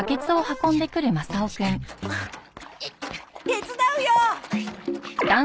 手伝うよ！